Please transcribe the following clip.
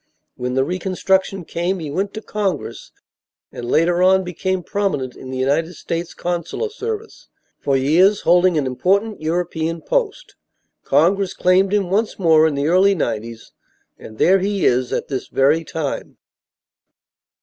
When the reconstruction came he went to Congress and later on became prominent in the United States consular service, for years holding an important European post. Congress claimed him once more in the early '90s, and there he is at this very time.